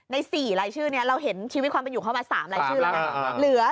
ใน๔รายชื่อนี้เราเห็นชีวิตความเป็นอยู่เข้ามา๓รายชื่อแล้วนะ